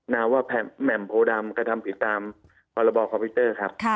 ว่าแหม่มโพดำกระทำผิดตามพรบคอมพิวเตอร์ครับ